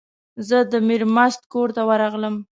زه د میرمست کور ته ورغلم.